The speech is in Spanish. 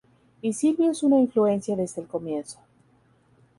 Y Silvio es una influencia desde el comienzo.